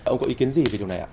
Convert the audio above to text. ông có ý kiến gì về điều này ạ